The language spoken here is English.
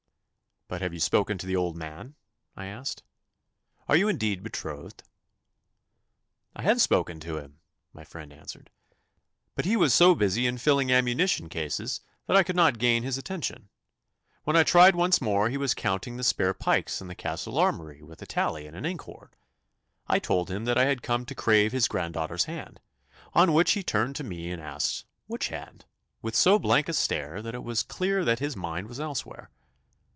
'But have you spoken to the old man?' I asked. 'Are you indeed betrothed?' 'I have spoken to him,' my friend answered, 'but he was so busy in filling ammunition cases that I could not gain his attention. When I tried once more he was counting the spare pikes in the Castle armoury with a tally and an ink horn. I told him that I had come to crave his granddaughter's hand, on which he turned to me and asked, "which hand?" with so blank a stare that it was clear that his mind was elsewhere.